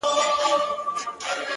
هغه ولس چي د ،